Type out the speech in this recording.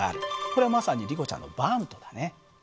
これはまさにリコちゃんのバントだね。